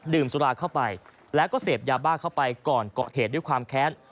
สุราเข้าไปแล้วก็เสพยาบ้าเข้าไปก่อนเกาะเหตุด้วยความแค้น